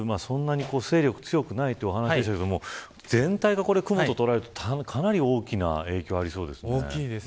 そんなに勢力強くないというお話でしたが全体が雲と捉えると、かなり大きな影響がありそうですよね。